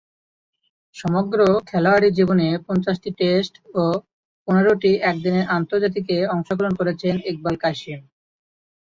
সমগ্র খেলোয়াড়ী জীবনে পঞ্চাশটি টেস্ট ও পনেরোটি একদিনের আন্তর্জাতিকে অংশগ্রহণ করেছেন ইকবাল কাশিম।